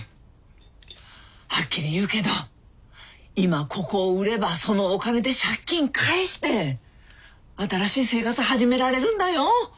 はっきり言うけど今ここを売ればそのお金で借金返して新しい生活始められるんだよ。